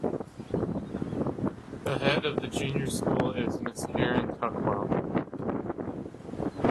The Head of the Junior School is Ms Karen Tuckwell.